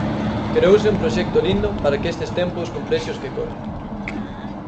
Creouse un proxecto lindo para que estes tempos complexos que corren.